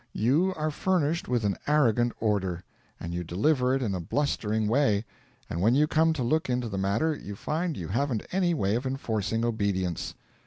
You are furnished with an arrogant order, and you deliver it in a blustering way, and when you come to look into the matter you find you haven't any way of enforcing obedience.'